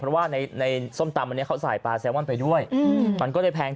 เพราะว่าในส้มตำอันนี้เขาใส่ปลาแซลมอนไปด้วยมันก็จะแพง